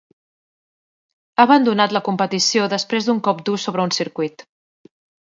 Ha abandonat la competició després d'un cop dur sobre un circuit.